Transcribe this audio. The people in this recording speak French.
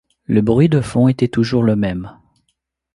Le bruit de fond était toujours le même